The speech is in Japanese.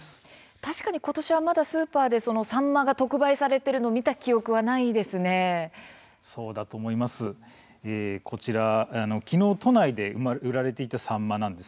確かにことしはまだスーパーでサンマが特売されてそうだと思います。